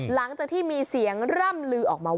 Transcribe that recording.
หลังจากที่มีเสียงร่ำลือออกมาว่า